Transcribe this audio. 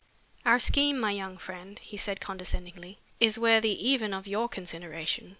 "Our scheme, my young friend," He said condescendingly, "is worthy even of your consideration.